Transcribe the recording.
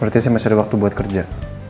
berarti saya masih ada waktu buat kerja